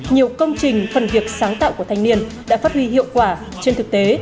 nhiều công trình phần việc sáng tạo của thanh niên đã phát huy hiệu quả trên thực tế